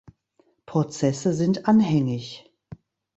Prozesse sind anhängig.